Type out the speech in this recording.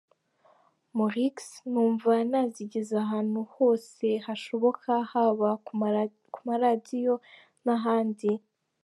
Maurix: Numva nazigeza ahantu hose hashoboka haba ku maradiyo n’ahandi.